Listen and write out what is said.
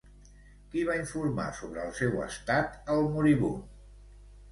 Qui va informar sobre el seu estat al moribund?